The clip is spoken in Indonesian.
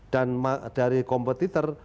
dan dari kompetitor